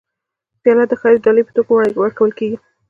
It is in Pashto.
پیاله د ښایسته ډالۍ په توګه ورکول کېږي.